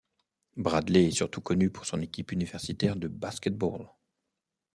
Bradley est surtout connu pour son équipe universitaire de basket-ball.